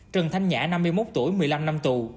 trần thanh nhã năm mươi một tuổi một mươi năm năm tù